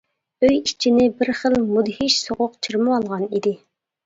ئۆي ئىچىنى بىر خىل مۇدھىش سوغۇق چىرمىۋالغان ئىدى.